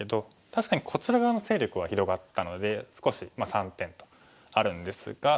確かにこちら側の勢力は広がったので少し３点とあるんですが。